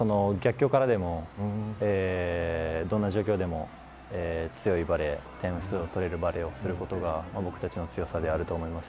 逆境からでもどんな状況でも強いバレーを点数を取れるバレーをすることが僕たちの強さだと思います。